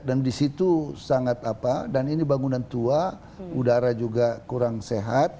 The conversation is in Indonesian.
dan di situ sangat apa dan ini bangunan tua udara juga kurang sehat